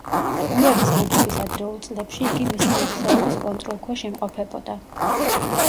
მურადის მეფობის ადრეულ წლებში, იგი მისი ნათესავების კონტროლქვეშ იმყოფებოდა.